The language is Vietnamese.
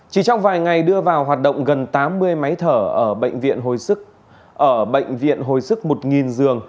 chỉ trong vài ngày đưa vào hoạt động gần tám mươi máy thở ở bệnh viện hồi sức một nghìn dường